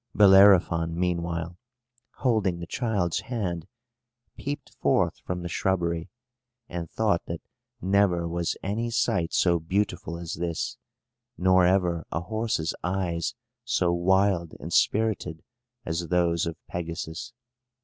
Bellerophon, meanwhile, holding the child's hand, peeped forth from the shrubbery, and thought that never was any sight so beautiful as this, nor ever a horse's eyes so wild and spirited as those of Pegasus.